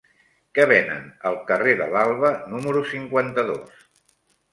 Què venen al carrer de l'Alba número cinquanta-dos?